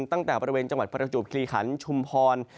ตั้งแต่บริเวณจังหวัดประจวบคลีขันชุมพร